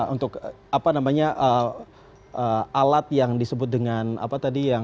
untuk apa namanya alat yang disebut dengan apa tadi yang